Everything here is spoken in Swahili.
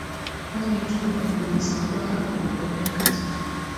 Pwani tu bali ilisambaa na kuenea katika